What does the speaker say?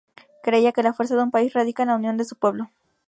Creía que la fuerza de un país radica en la unión de su pueblo.